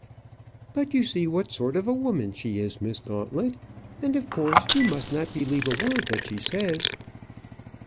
"But you see what sort of a woman she is, Miss Gauntlet; and, of course, you must not believe a word that she says."